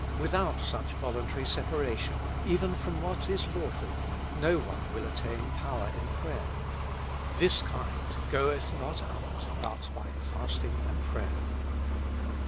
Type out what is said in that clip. Without such voluntary separation, even from what is lawful, no one will attain power in prayer: this kind goeth not out but by fasting and prayer.